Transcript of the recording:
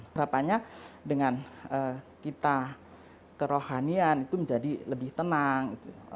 harapannya dengan kita kerohanian itu menjadi lebih tenang